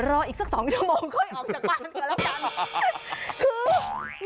รออีกสัก๒ชั่วโมงค่อยออกจากบ้านก่อนแล้วกัน